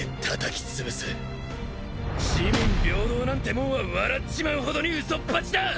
四民平等なんてもんは笑っちまうほどに嘘っぱちだ！